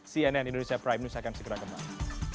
cnn indonesia prime news akan segera kembali